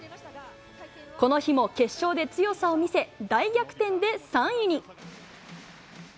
この日も決勝で強さを見せ、大逆転で３位に。